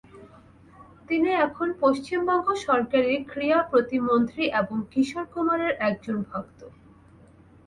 তিনি এখন পশ্চিমবঙ্গ সরকারের ক্রীড়া প্রতিমন্ত্রী এবং কিশোর কুমারের একজন ভক্ত।